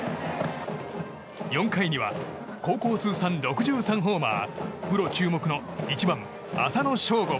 ４回には高校通算６３ホーマープロ注目の１番、浅野翔吾。